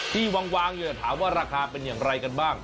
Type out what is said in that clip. ที่วางอยู่ถามว่าราคาเป็นอย่างไรกันบ้าง